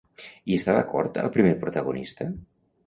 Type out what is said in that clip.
Hi està d'acord el primer protagonista?